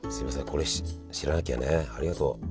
これ知らなきゃねありがとう。